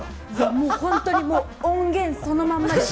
もう本当にもう、音源そのまんまです。